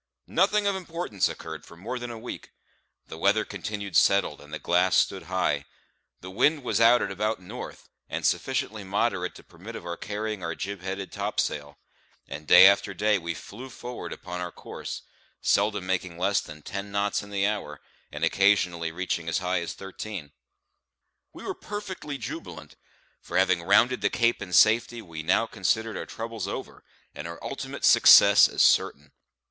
Nothing of importance occurred for more than a week. The weather continued settled, and the glass stood high; the wind was out at about north, and sufficiently moderate to permit of our carrying our jib headed topsail; and day after day we flew forward upon our course, seldom making less than ten knots in the hour, and occasionally reaching as high as thirteen. We were perfectly jubilant; for having rounded the Cape in safety we now considered our troubles over and our ultimate success as certain.